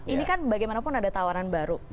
ini kan bagaimanapun ada tawaran baru